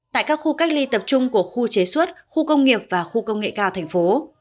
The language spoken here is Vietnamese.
tại các khu cách ly tập trung của khu chế xuất khu công nghiệp và khu công nghệ cao thành phố